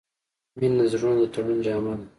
• مینه د زړونو د تړون جامه ده.